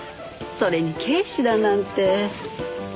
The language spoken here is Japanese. それに警視だなんて。